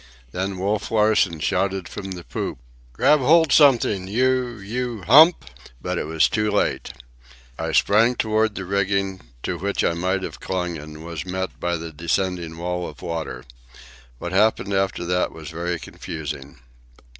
Then Wolf Larsen shouted from the poop: "Grab hold something, you—you Hump!" But it was too late. I sprang toward the rigging, to which I might have clung, and was met by the descending wall of water. What happened after that was very confusing.